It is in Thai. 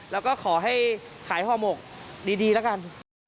แล้วก็ขอให้ขายห่อหมกดีแล้วกัน